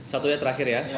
satunya terakhir ya